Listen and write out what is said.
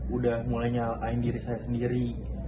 sudah mulai menyalahkan diri saya sendiri